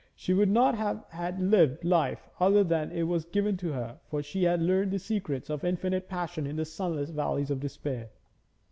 She would not have had life other than it was given to her, for she had learned the secrets of infinite passion in the sunless valleys of despair.